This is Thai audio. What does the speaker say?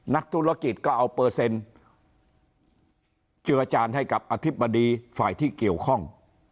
นักธุรกิจก็เอาเปอร์เซ็นต์เจือจานให้กับอธิบดีฝ่ายที่เกี่ยวข้อง